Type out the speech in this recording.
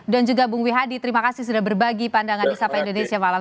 dan juga bung wi hadi terima kasih sudah berbagi pandangan di sapa indonesia malam